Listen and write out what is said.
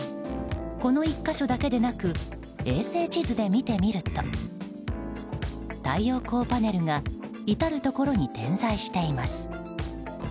この１か所だけでなく衛星地図で見てみると太陽光パネルが至るところに点在しています。